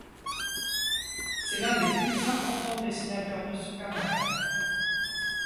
C'est l'un des plus importants dessinateurs de Superman.